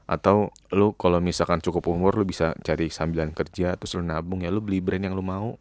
atau lo kalau misalkan cukup umur lu bisa cari sambilan kerja terus lo nabung ya lu beli brand yang lu mau